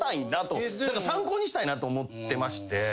参考にしたいなと思ってまして。